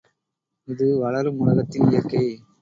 இது வளரும் உலகத்தின் இயற்கை.